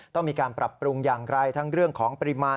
ต้องมีการปรับปรุงอย่างไรทั้งเรื่องของปริมาณ